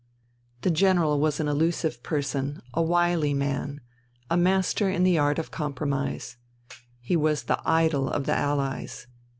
" The General was an elusive person, a wily man, a master in the art of compromise. He was the idol of the Allies.